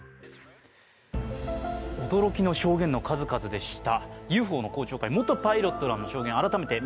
驚きの証言の数々でした。